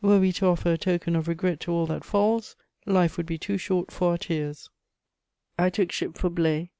Were we to offer a token of regret to all that falls, life would be too short for our tears. I took ship for Blaye.